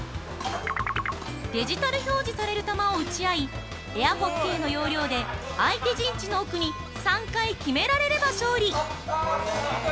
デジタル表示される球を打ち合いエアホッケーの要領で相手陣地の奥に３回決められれば勝利。